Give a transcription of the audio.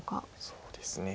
そうですね。